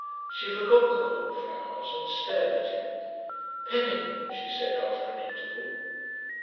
She forgot the cornflowers and stared at him. "Penny," she said after an interval.